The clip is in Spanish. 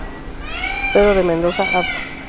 Pedro de Mendoza, Av.